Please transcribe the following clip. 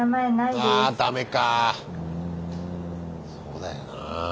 そうだよなあ。